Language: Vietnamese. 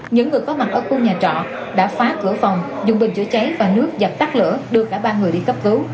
những người có mặt ở khu nhà trọ đã phá cửa phòng dùng bình chữa cháy và nước dập tắt lửa đưa cả ba người đi cấp cứu